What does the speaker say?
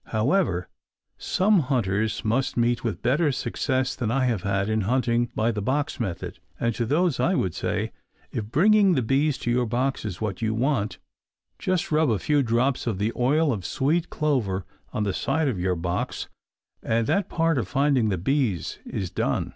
However, some hunters must meet with better success than I have had in hunting by the box method, and to those I would say, if bringing the bees to your box is what you want, just rub a few drops of the oil of sweet clover on the side of your box and that part of finding the bee is done.